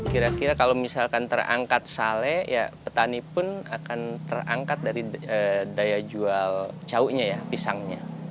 kira kira kalau misalkan terangkat sale ya petani pun akan terangkat dari daya jual cauknya ya pisangnya